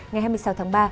ngày hai mươi sáu tháng ba